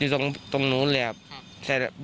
ตรงนู้นเลยครับ